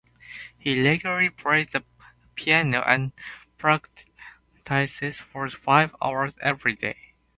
He regularly plays the piano and practices for five hours every day.